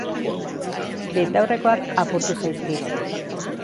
Betaurrekoak apurtu zaizkit